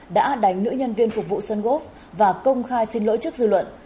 đã đánh nữ nhân viên phục vụ sân gốp và công khai xin lỗi trước dư luận